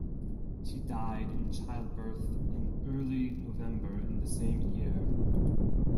She died in childbirth in early November in the same year.